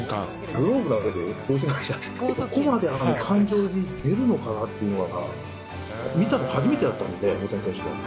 グローブを投げて、帽子も投げちゃって、ここまで感情が出るのかなっていうのが、見たの初めてだったんで、大谷選手の。